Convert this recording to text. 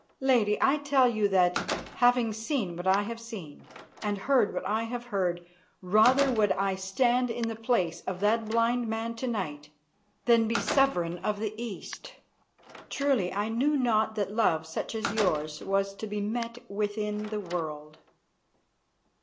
Lady, I tell you that, having seen what I have seen and heard what I have heard, rather would I stand in the place of that blind man to night than be Sovereign of the East. Truly, I knew not that love such as yours was to be met with in the world.